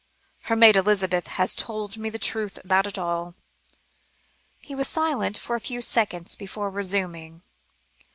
Her maid Elizabeth has told me the truth about it all." He was silent for a few seconds before resuming.